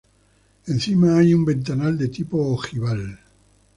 Encima hay un ventanal de tipo ojival.